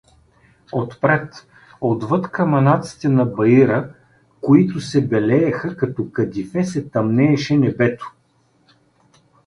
Отпред, отвъд камънаците на баира, които се белееха, като кадифе се тъмнееше небето.